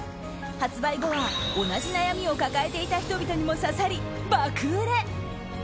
発売後は、同じ悩みを抱えていた人々にも刺さり爆売れ。